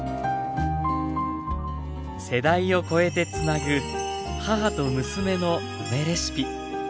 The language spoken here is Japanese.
世代を超えてつなぐ母と娘の梅レシピ。